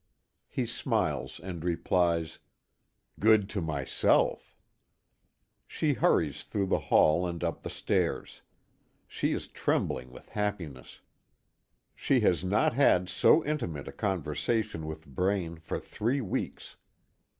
He smiles and replies: "Good to myself." She hurries through the hall and up the stairs. She is trembling with happiness. She has not had so intimate a conversation with Braine for three weeks.